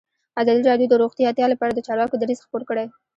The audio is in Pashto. ازادي راډیو د روغتیا لپاره د چارواکو دریځ خپور کړی.